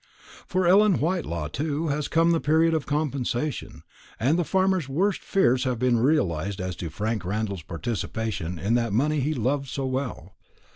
For Ellen Whitelaw too has come the period of compensation, and the farmer's worst fears have been realized as to Frank Randall's participation in that money he loved so well.